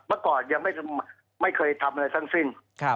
เมื่อก่อนยังไม่เคยทำอะไรทั้งสิ้น